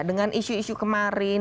dengan isu isu kemarin